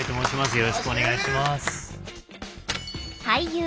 よろしくお願いします。